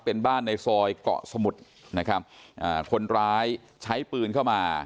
เป็นบ้านในซอยเกาะสมุทรนะครับอ่าคนร้ายใช้ปืนเข้ามา